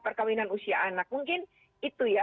perkawinan usia anak mungkin itu ya